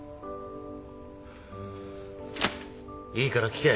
いいから聴け。